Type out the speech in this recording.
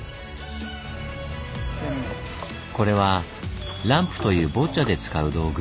これはランプというボッチャで使う道具。